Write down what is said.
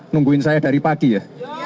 nungguin saya dari pagi ya